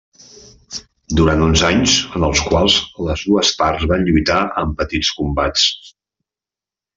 Durant uns anys en els quals les dues parts van lluitar en petits combats.